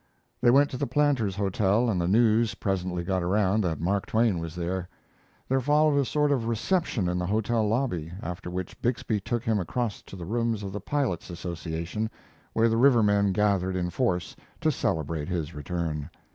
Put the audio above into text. They went to the Planters Hotel, and the news presently got around that Mark Twain was there. There followed a sort of reception in the hotel lobby, after which Bixby took him across to the rooms of the Pilots Association, where the rivermen gathered in force to celebrate his return.